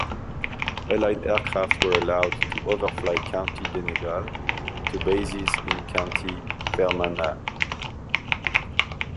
Allied aircraft were allowed to overfly County Donegal to bases in County Fermanagh.